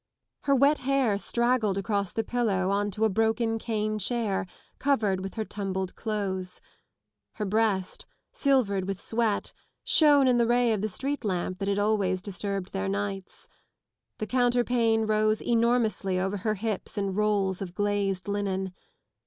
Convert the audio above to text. Her wet hair straggled across the pillow on to a broken cane chair covered with her tumbled clothes. Her breast, silvered with sweat, shone in the ray of the street lamp that had always disturbed their nights. yThe counterpane rose enormously over her hips in rolls of glazed linen.